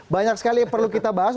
banyak sekali yang perlu kita bahas